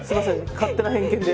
勝手な偏見で。